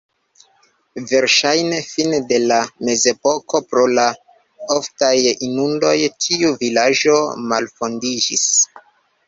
Verŝajne fine de la mezepoko pro la oftaj inundoj tiu vilaĝo malfondiĝis.